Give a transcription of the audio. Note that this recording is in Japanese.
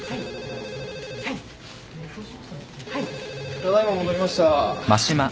☎ただ今戻りました。